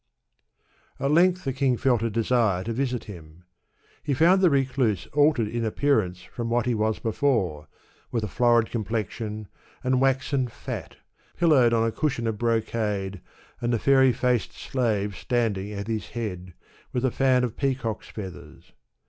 At length the king felt a desire to visit him. He found the recluse altered in appearance from what he was before, with a florid complexion, and waxen Cat, pillowed on a cushion of brocade, and the fairy £Bu:ed slave standing at his head, with a fan of peacock's feathers.